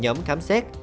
nhóm khám xét